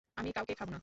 আমি কাউকে খাব না।